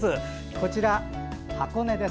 こちら、箱根です。